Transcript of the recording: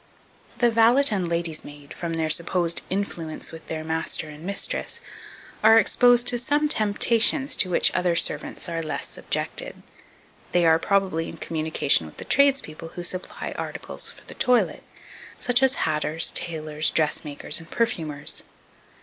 2288. The valet and lady's maid, from their supposed influence with their master and mistress, are exposed to some temptations to which other servants are less subjected. They are probably in communication with the tradespeople who supply articles for the toilet; such as batters, tailors, dressmakers, and perfumers.